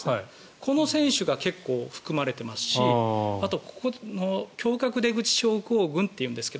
この選手が結構含まれてますしあと胸郭出口症候群というんですが。